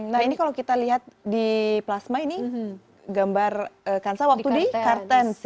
nah ini kalau kita lihat di plasma ini gambar kansa waktu di kartens